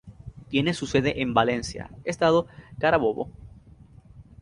Tiene su sede en Valencia, estado Carabobo.